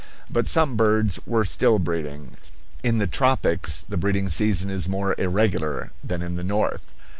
But some birds were still breeding. In the tropics the breeding season is more irregular than in the north.